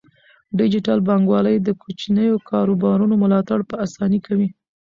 ډیجیټل بانکوالي د کوچنیو کاروبارونو ملاتړ په اسانۍ کوي.